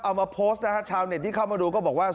เอามาโพสต์นะฮะชาวเน็ตที่เข้ามาดูก็บอกว่า